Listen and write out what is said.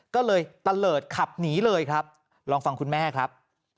ก็เลยตะเลิศขับหนีเลยครับลองฟังคุณแม่ครับ